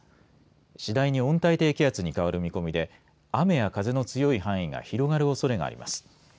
次第に温帯低気圧に変わる見込みで雨や風の強い範囲が広がるおそれがあります。